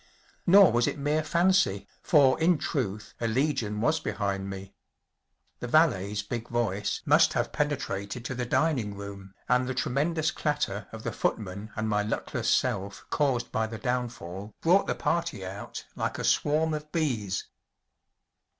Nor was it mere fancy, for in truth a legion was behind me. The valet's big voice must have penetrated to the dining room, and the tremendous clat' ter of the footman and my luck less self caused by the downfall brought the party out like a swarm of bees.